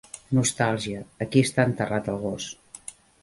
Nostàlgia, aquí està enterrat el gos.